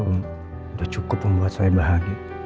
untuk cukup membuat saya bahagia